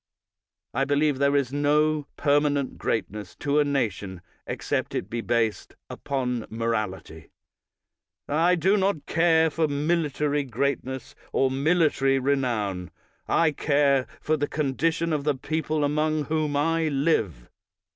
I believe there is no permanent greatness to a nation except it be based upon moralit>^ I do not care for military greatness or military renown. I care for the condition of the people among whom I live.